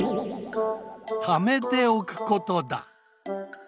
ためておくことだ